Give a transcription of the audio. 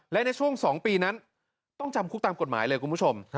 และในช่วง๒ปีนั้นต้องจำคุกตามกฎหมายเลยคุณผู้ชม